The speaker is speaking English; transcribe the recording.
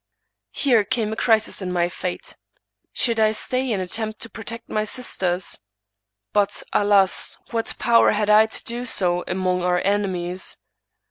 " Here came a crisis in my fate. Should I stay and ' attempt to protect my sisters ? But, alas ! what power had I to do so among our enemies